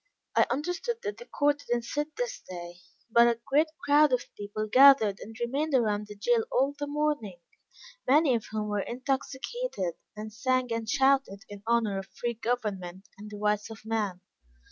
I understood that the court did not sit this day, but a great crowd of people gathered and remained around the jail all the morning; many of whom were intoxicated, and sang and shouted in honor of free government, and the rights of man.